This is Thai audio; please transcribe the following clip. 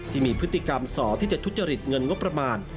ที่มีพฤติกรรมสอที่จะทุจริตเงินงบประมาณ